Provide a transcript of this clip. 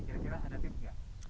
kira kira ada tips nggak